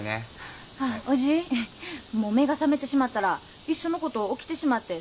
あおじぃ目が覚めてしまったらいっそのこと起きてしまって。